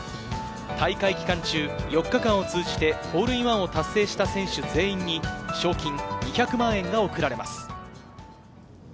大会期間中、４日間を通じてホールインワンを達成した選手全員に賞金２００万円が贈られます。